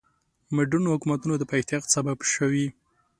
مډرنو حکومتونو د پیدایښت سبب شوي.